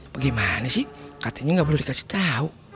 bagaimana sih katanya gak boleh dikasih tau